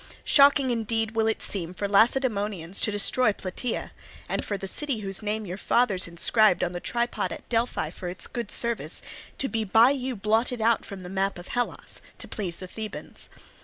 Shocking indeed will it seem for Lacedaemonians to destroy Plataea, and for the city whose name your fathers inscribed upon the tripod at Delphi for its good service, to be by you blotted out from the map of Hellas, to please the Thebans.